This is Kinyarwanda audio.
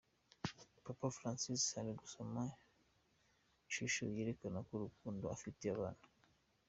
Papa Francis ari gusoma ishusho yerekana ngo urukundo afitiye abana.